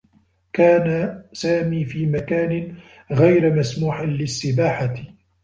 كان سامي في مكان غير مسموح للسّباحة.